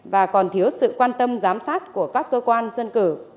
và còn thiếu sự quan tâm giám sát của các cơ quan dân cử